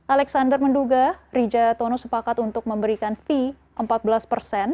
alex menduga rijatano sepakat untuk memberikan fee empat belas dari total nilai kontrak yang didapat setelah perusahaan tbp